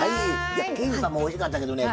キンパもおいしかったけどね